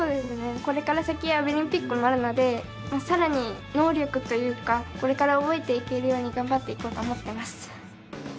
これから先アビリンピックもあるのでさらに能力というかこれから覚えていけるように頑張っていこうと思っています。